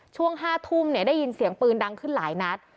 ช่วง๕ทุ่มได้ยินเสียงปืนดังขึ้นหลายนัด